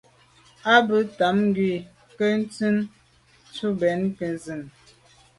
A be tam ngu’ à to’ nke ntsin tù mbèn nke nzine.